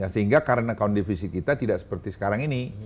sehingga karena account divisi kita tidak seperti sekarang ini